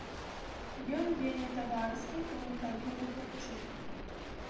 Ён вельмі таварыскі, камунікабельны хлапчук.